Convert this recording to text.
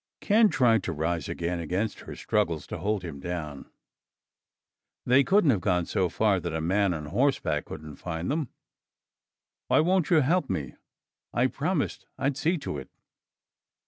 Ken tried to rise again against her struggles to hold him down. "They couldn't have gone so far that a man on horseback couldn't find them! Why won't you help me? I promised I'd see to it!"